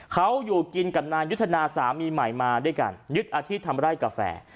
เขาอยู่กินกับนายุทธนาสามีใหม่มาด้วยกันยึดอาชีพทำไร่กาแฟ